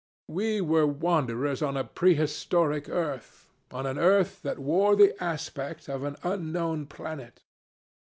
We were wanderers on a prehistoric earth, on an earth that wore the aspect of an unknown planet.